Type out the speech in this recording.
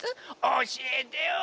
おしえてよ！